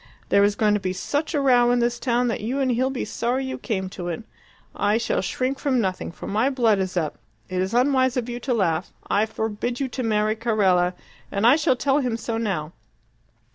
There is going to be such a row in this town that you and he'll be sorry you came to it. I shall shrink from nothing, for my blood is up. It is unwise of you to laugh. I forbid you to marry Carella, and I shall tell him so now."